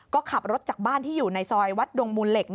ก็ขับรถจากบ้านที่อยู่ในซอยวัดดงมูลเหล็ก